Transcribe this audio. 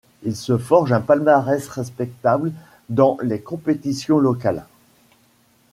Il se forge un palmarès respectable dans les compétitions locales.